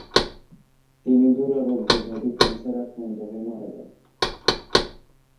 তিনি দুরারোগ্য ব্যাধি ক্যান্সারে আক্রান্ত হয়ে মারা যান।